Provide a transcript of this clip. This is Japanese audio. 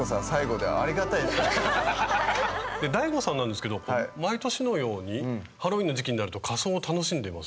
ＤＡＩＧＯさんなんですけど毎年のようにハロウィーンの時期になると仮装を楽しんでいます？